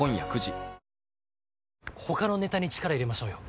他のネタに力入れましょうよ。